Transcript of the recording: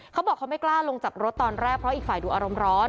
เขาบอกเขาไม่กล้าลงจากรถตอนแรกเพราะอีกฝ่ายดูอารมณ์ร้อน